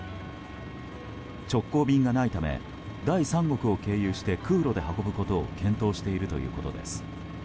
直行便がないため第三国を経由して空路で運ぶことを検討しているということです。